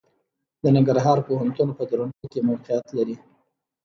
د ننګرهار پوهنتون په درنټه کې موقعيت لري.